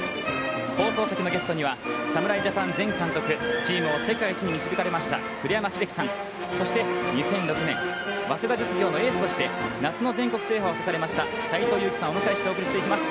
放送席のゲストには侍ジャパン前監督、チームを世界一に導かれました栗山英樹さん、そして２００６年、早稲田実業のエースとして夏の全国制覇をされました斎藤佑樹さんをお迎えしてお送りしていきます。